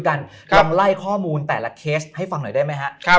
ลองไล่ข้อมูลแต่ละเคสให้ฟังหน่อยได้ไหมครับ